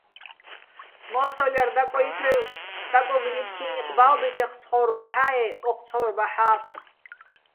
მო́სოლ ჲარ დაკოდითრევ სტაკოგო̆ ნიფსიჼ ნიყ ბა́ვბითო̆ ეჴ ცხო́ვრბაჰ̦ა-ე́ ოჴ ცხო́ვრბაჰ̦ა́.